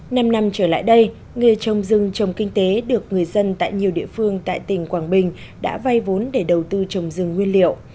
năm năm trở lại đây nghề trồng rừng trồng kinh tế được người dân tại nhiều địa phương tại tỉnh quảng bình đã vay vốn để đầu tư trồng rừng nguyên liệu